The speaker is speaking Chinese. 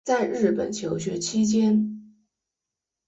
在日本求学期间